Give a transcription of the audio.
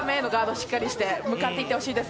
しっかりして向かっていってほしいです。